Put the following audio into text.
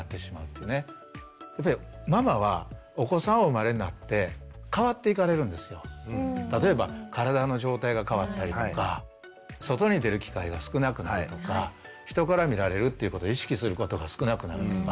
ママはお子さんお生まれになって変わっていかれるんですよ。例えば体の状態が変わったりとか外に出る機会が少なくなるとか人から見られるっていうことを意識することが少なくなるとか。